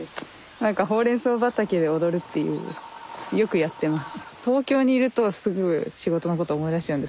何かほうれんそう畑で踊るっていうよくやってます。